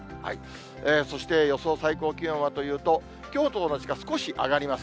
そして、予想最高気温はというと、きょうと同じか、少し上がります。